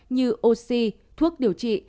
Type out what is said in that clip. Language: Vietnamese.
như oxy thuốc điều trị